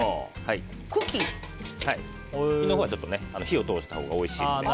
茎のほうは火を通したほうがおいしいので。